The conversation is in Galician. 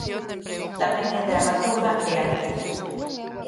Tamén é dramaturga e actriz.